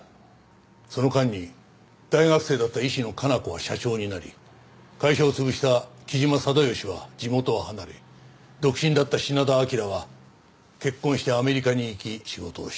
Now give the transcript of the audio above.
その間に大学生だった石野香奈子は社長になり会社を潰した木島定良は地元を離れ独身だった品田彰は結婚してアメリカに行き仕事をしている。